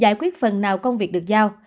giải quyết phần nào công việc được giao